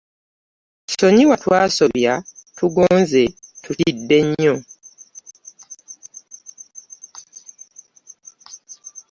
Sonyiwa twasobya , tugonze tutidde nnyo